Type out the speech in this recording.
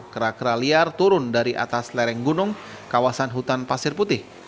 kera kera liar turun dari atas lereng gunung kawasan hutan pasir putih